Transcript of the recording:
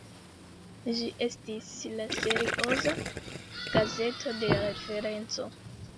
Ĝi estis la serioza "gazeto de referenco".